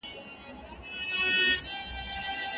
خپلواکي ورکول له جبري کار څخه غوره پایله لري.